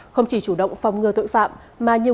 không chỉ chủ động phong ngừa tội phạm